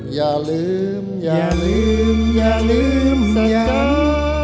อย่าลืมอย่าลืมอย่าลืมสยา